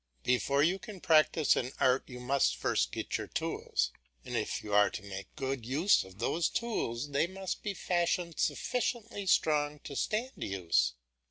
Before you can practise an art you must first get your tools; and if you are to make good use of those tools, they must be fashioned sufficiently strong to stand use.